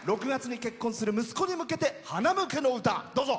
６月に結婚する息子に向けてはなむけの歌。